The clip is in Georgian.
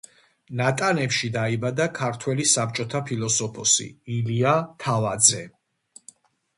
ნატანებში დაიბადა ქართველი საბჭოთა ფილოსოფოსი ილია თავაძე.